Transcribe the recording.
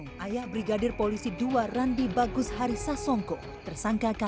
mengaku berprofesi sebagai tengkulak gabah